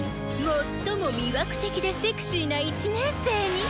最も魅惑的でセクシーな１年生に。